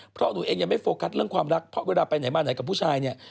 เพราะหนูเองยังไม่โฟกัสเรื่องความรักเพราะเวลาไปไหนมาไหนกับผู้ชายเนี่ย